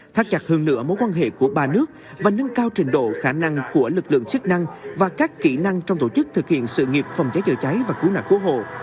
thắt chặt hơn nữa mối quan hệ của ba nước và nâng cao trình độ khả năng của lực lượng chức năng và các kỹ năng trong tổ chức thực hiện sự nghiệp phòng cháy chữa cháy và cứu nạn cứu hộ